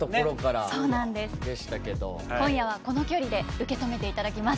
今夜は、この距離で受け止めていただきます。